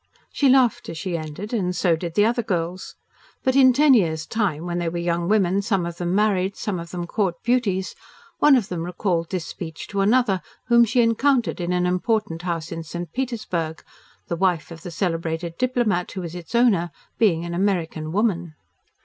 She laughed as she ended, and so did the other girls. But in ten years' time, when they were young women, some of them married, some of them court beauties, one of them recalled this speech to another, whom she encountered in an important house in St. Petersburg, the wife of the celebrated diplomat who was its owner being an American woman.